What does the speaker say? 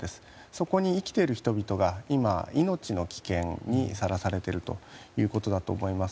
そこに生きている人々が今、命の危険にさらされているということだと思います。